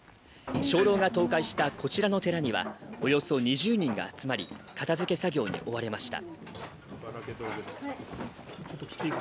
鐘楼が倒壊したこちらの寺にはおよそ２０人が集まり、片づけ作業に追われました。